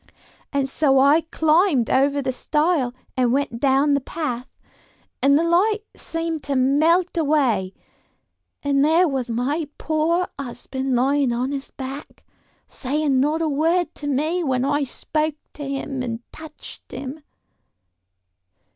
"And so I climbed over the stile and went down the path, and the light seemed to melt away; and there was my poor husband lying on his back, saying not a word to me when I spoke to him and touched him."